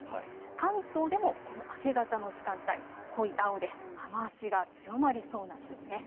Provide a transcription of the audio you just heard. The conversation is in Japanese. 関東でもこの明け方の時間帯、濃い青で雨足が強まりそうです。